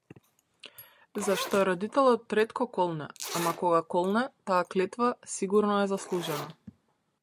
Зашто, родителот ретко колне, ама кога колне, таа клетва сигурно е заслужена.